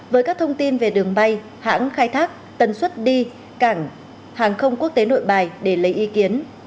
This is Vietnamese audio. với các thông tin về đường bay hãng khai thác tần suất đi cảng hàng không quốc tế nội bài để lấy ý kiến